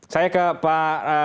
saya ke pak